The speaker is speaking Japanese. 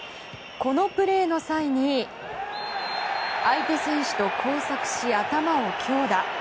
このプレーの際に相手選手と交錯し、頭を強打。